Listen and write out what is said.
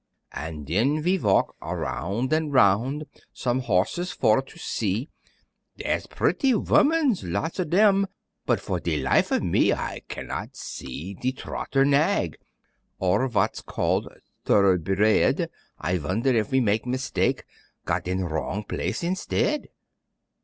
An' den ve valk aroun' an' 'roun' Som' horses for to see; Dere's pretty vomans, lots of dem, But, for de life of me, I can not see de trotter nag, Or vat's called t'oroughbred, I vonder if ve mak' mistake, Gat in wrong place instead.